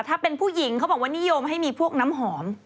ถ้าเป็นผู้หญิงเขาบอกว่านิยมให้มีพวกน้ำหอม